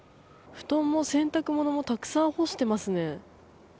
布団も洗濯物もたくさん干していますね。